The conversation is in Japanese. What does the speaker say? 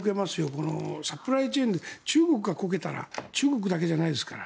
このサプライチェーンで中国がこけたら中国だけじゃないですから。